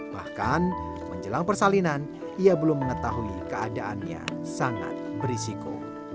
bahkan menjelang persalinan ia belum mengetahui keadaannya sangat berisiko